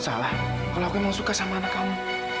salah kalau aku emang suka sama anak kamu